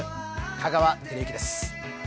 香川照之です。